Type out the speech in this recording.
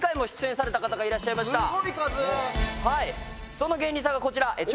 その芸人さんがこちら。